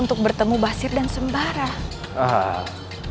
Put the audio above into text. untuk bertemu basir dan sembarang